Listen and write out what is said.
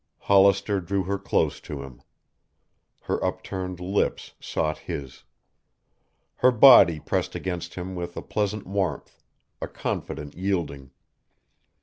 Hollister drew her close to him. Her upturned lips sought his. Her body pressed against him with a pleasant warmth, a confident yielding.